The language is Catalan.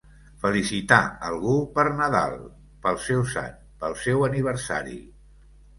Felicitar algú per Nadal, pel seu sant, pel seu aniversari.